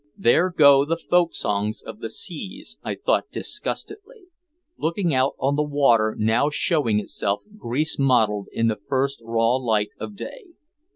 "There go the folk songs of the seas," I thought disgustedly, looking out on the water now showing itself grease mottled in the first raw light of day.